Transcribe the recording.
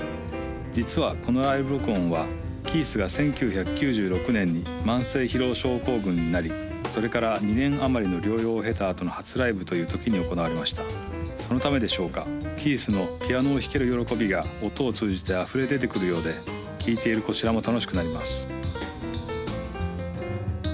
実はこのライブ録音はキースが１９９６年に慢性疲労症候群になりそれから２年あまりの療養を経たあとの初ライブというときに行われましたそのためでしょうかキースのピアノを弾ける喜びが音を通じてあふれ出てくるようで聴いているこちらも楽しくなります